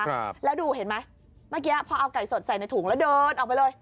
ครับแล้วดูเห็นไหมเมื่อกี้พอเอาไก่สดใส่ในถุงแล้วเดินออกไปเลย